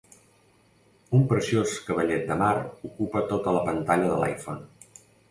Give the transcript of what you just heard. Un preciós cavallet de mar ocupa tota la pantalla de l'iphone.